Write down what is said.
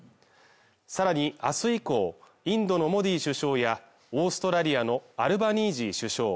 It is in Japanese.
さらにあす以降インドのモディ首相やオーストラリアのアルバニージー首相